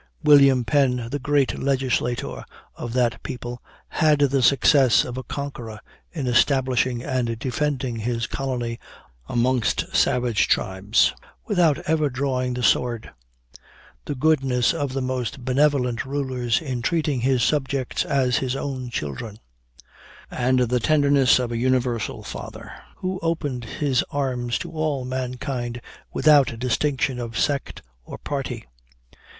William Penn, the great Legislator of that people, had the success of a conqueror in establishing and defending his colony amongst savage tribes, without ever drawing the sword; the goodness of the most benevolent rulers in treating his subjects as his own children; and the tenderness of a universal father, who opened his arms to all mankind without distinction of sect or party.